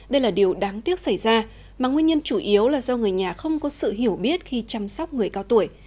đây là điều đáng tiếc xảy ra mà nguyên nhân chủ yếu là do người nhà không có sự hiểu biết khi chăm sóc người cao tuổi